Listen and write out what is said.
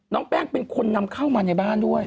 แป้งเป็นคนนำเข้ามาในบ้านด้วย